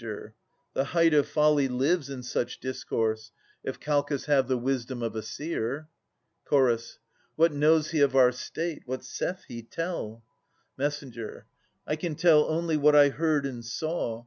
The height of folly lives in such discourse, 746 775] Ams 79 If Calchas have the wisdom of a seer. Ch. What knows he of our state? Whatsaithhe? Tell. Mess. I can tell only what I heard and saw.